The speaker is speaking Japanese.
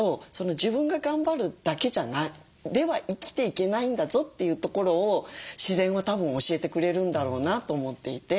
自分が頑張るだけでは生きていけないんだぞっていうところを自然はたぶん教えてくれるんだろうなと思っていて。